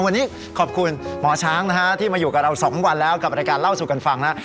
วันนี้ขอบคุณหมอช้างนะฮะที่มาอยู่กับเรา๒วันแล้วกับรายการเล่าสู่กันฟังนะ